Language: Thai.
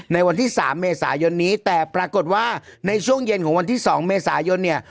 ในวันที่๓เมษายนนี้แต่ปรากฏว่าในช่วงเย็นของวันที่๒เมษายนเนี่ย